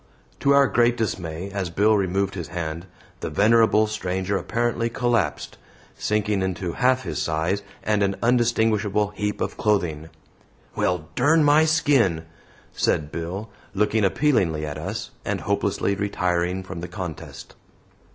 To our great dismay, as Bill removed his hand, the venerable stranger apparently collapsed sinking into half his size and an undistinguishable heap of clothing. "Well, dern my skin," said Bill, looking appealingly at us, and hopelessly retiring from the contest.